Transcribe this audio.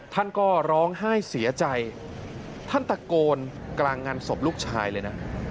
ท่านก็ร้องไห้เสียใจท่านตะโกนกลางงานศพลูกชายเลยนะ